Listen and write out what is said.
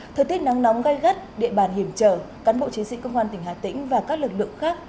thời tiết nắng nóng gai gắt địa bàn hiểm trở cán bộ chiến sĩ công an tỉnh hà tĩnh và các lực lượng khác